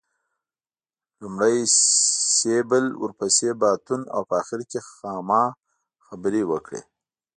لومړی سېبل ورپسې باتون او په اخر کې خاما خبرې وکړې.